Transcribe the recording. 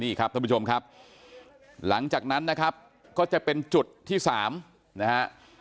นี่ครับท่านผู้ชมครับหลังจากนั้นนะครับก็จะเป็นจุดที่สามนะฮะ